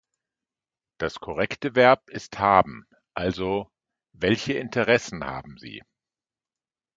Das korrekte Verb ist "haben", also: Welche Interessen haben sie?